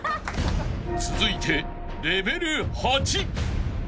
［続いてレベル８］